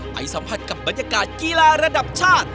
สัมผัสกับบรรยากาศกีฬาระดับชาติ